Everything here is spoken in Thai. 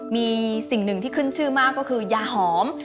มีสิ่งหนึ่งที่ขึ้นชื่อมากก็คือยาหอม